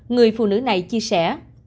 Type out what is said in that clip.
người phụ nữ này chia sẻ